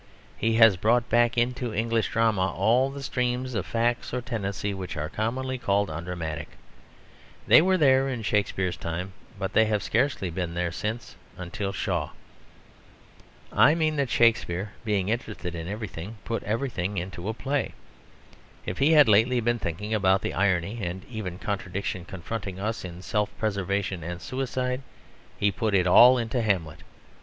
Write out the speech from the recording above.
He has brought back into English drama all the streams of fact or tendency which are commonly called undramatic. They were there in Shakespeare's time; but they have scarcely been there since until Shaw. I mean that Shakespeare, being interested in everything, put everything into a play. If he had lately been thinking about the irony and even contradiction confronting us in self preservation and suicide, he put it all into Hamlet.